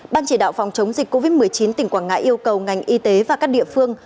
ban chỉ đạo phòng chống dịch covid một mươi chín tỉnh quảng ngãi yêu cầu ngành y tế và các địa phương